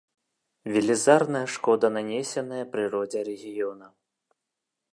Велізарная шкода нанесеная прыродзе рэгіёна.